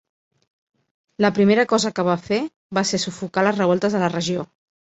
La primera cosa que va fer va ser sufocar les revoltes a la regió.